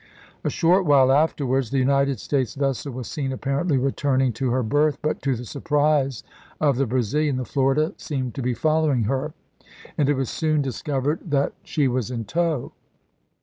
A short while afterwards the United States vessel was seen apparently returning to her berth, but to the surprise of the Brazilian the Florida seemed to be following her, and it was soon discovered that THE LAST DAYS OF THE EEBEL NAVY 133 she was in tow.